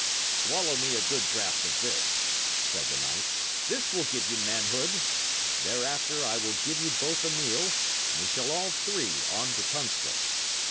"Swallow me a good draught of this," said the knight. "This will give you manhood. Thereafter, I will give you both a meal, and we shall all three on to Tunstall.